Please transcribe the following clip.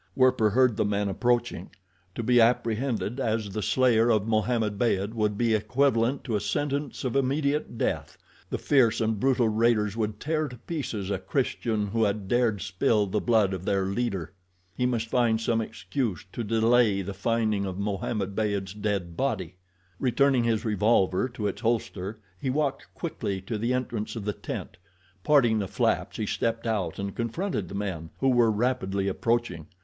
Werper heard the men approaching. To be apprehended as the slayer of Mohammed Beyd would be equivalent to a sentence of immediate death. The fierce and brutal raiders would tear to pieces a Christian who had dared spill the blood of their leader. He must find some excuse to delay the finding of Mohammed Beyd's dead body. Returning his revolver to its holster, he walked quickly to the entrance of the tent. Parting the flaps he stepped out and confronted the men, who were rapidly approaching.